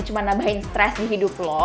cuma nabahin stress di hidup lo